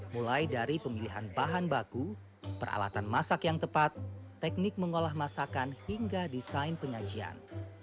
mulai dari pemilihan bahan baku peralatan masak yang tepat teknik mengolah masakan hingga desain penyajian